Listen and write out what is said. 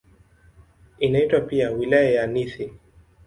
Inaitwa pia "Wilaya ya Nithi".